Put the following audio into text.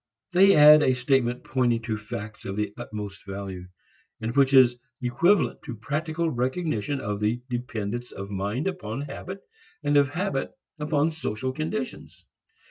They add a statement pointing to facts of the utmost value, and which is equivalent to practical recognition of the dependence of mind upon habit and of habit upon social conditions.